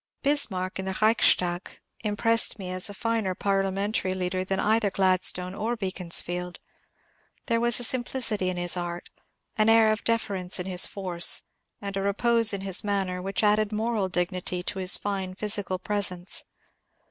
Bismarck in the Reichstag impressed me as a finer parlia mentary leader than either Gladstone or Beaconsfield. There was a simplicity in his art, an air of deference in his force, and a repose in his manner which added moral dignity to his fine physical presence.